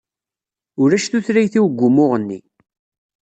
Ulac tutlayt-iw deg umuɣ-nni!